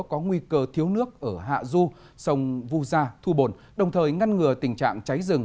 có nguy cơ thiếu nước ở hạ du sông vu gia thu bồn đồng thời ngăn ngừa tình trạng cháy rừng